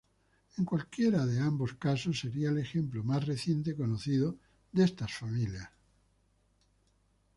En cualquiera de ambos casos sería el ejemplo más reciente conocido de estas familias.